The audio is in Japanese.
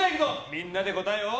みんなで答えを。